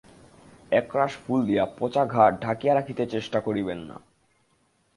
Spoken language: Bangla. একরাশ ফুল দিয়া পচা ঘা ঢাকিয়া রাখিতে চেষ্টা করিবেন না।